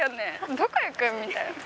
「どこ行く？」みたいな。